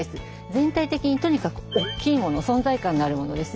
全体的にとにかく大きいもの存在感のあるものですね。